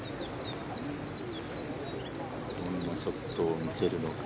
どんなショットを見せるのか。